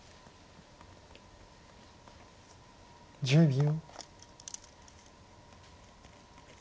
１０秒。